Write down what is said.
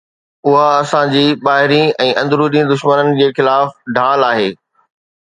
اها اسان جي ٻاهرين ۽ اندروني دشمنن جي خلاف ڍال آهي.